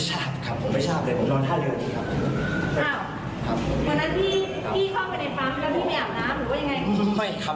ไม่ครับไม่ครับผมนอนท่าเรือจริงจริงค่ะ